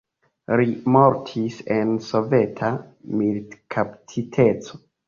Li mortis en soveta militkaptiteco.